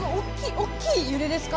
大きい揺れですか？